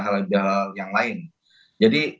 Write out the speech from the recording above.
halal yang lain jadi